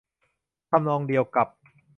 ทำนองเดียวกับ